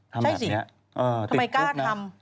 ทำแบบนี้ทำไมกล้าทำ